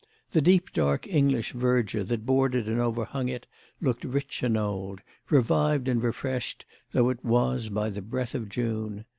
The deep dark English verdure that bordered and overhung it looked rich and old, revived and refreshed though it was by the breath of June.